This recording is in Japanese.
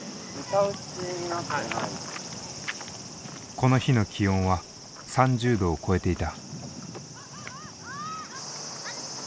この日の気温は３０℃を超えていた。